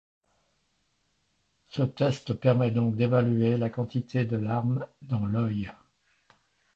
Ce test permet donc d'évaluer la quantité de larmes dans l'œil.